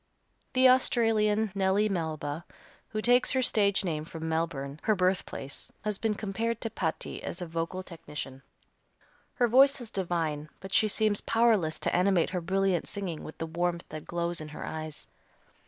The Australian, Nellie Melba, who takes her stage name from Melbourne, her birthplace, has been compared to Patti as a vocal technician. Her voice is divine, but she seems powerless to animate her brilliant singing with the warmth that glows in her eyes.